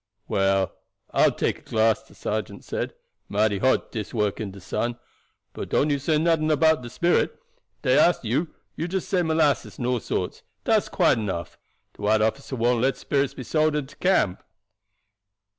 "Well, I will take a glass," the sergeant said. "Mighty hot work dis in de sun; but don't you say nuffin about the spirit. Ef dey ask you, just you say molasses and all sorts, dat's quite enough. De white officer won't let spirits be sold in de camp.